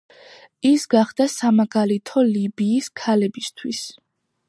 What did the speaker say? ის გახდა სამაგალითო ლიბიის ქალებისთვის.